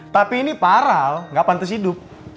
tapi ini parah al nggak pantas hidup